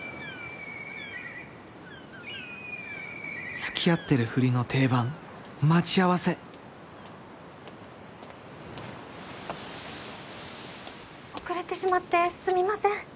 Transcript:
付き合ってるふりの定番待ち合わせ遅れてしまってすみません！